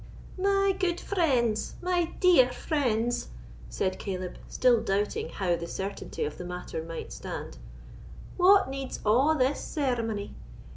"My good friends—my dear friends," said Caleb, still doubting how the certainty of the matter might stand, "what needs a' this ceremony?